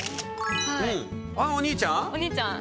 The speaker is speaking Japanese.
お兄ちゃん？